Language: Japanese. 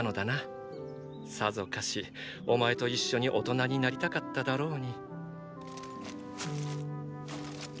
さぞかしお前と一緒に大人になりたかっただろうに。